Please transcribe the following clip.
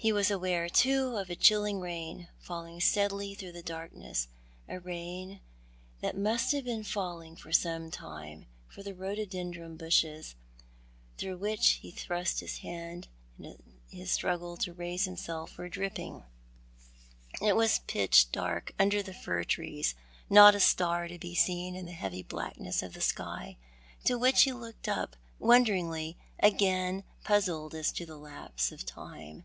lie was aware, too, of a chilling rain, falling steadily through the darkness, a rain that must have been falling for some time, for the rhododendron bushes, through which he thrust his hands in his struggle to raise himself, were dripping. In the Pine Wood. 107 It was pitch dark under the fir trees, not a star to be seen in the heavy blackness of the sky, to which he looked up wonder ingly, again puzzled as to the lapse of time.